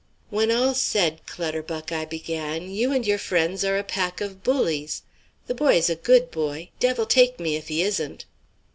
"When all's said, Clutterbuck," I began, "you and your friends are a pack of bullies. The boy's a good boy, devil take me if he isn't."